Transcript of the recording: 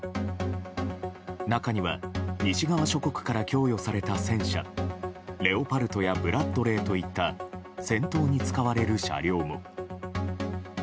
中には、西側諸国から供与された戦車レオパルトやブラッドレーといった戦闘に使われる車両も。